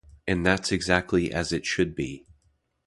And that's exactly as it should be.